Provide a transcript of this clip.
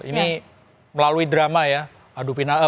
ini melalui drama ya